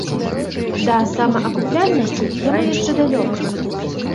Да самаакупляльнасці яму яшчэ далёка.